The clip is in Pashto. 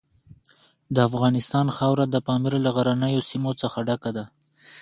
د افغانستان خاوره د پامیر له غرنیو سیمو څخه ډکه ده.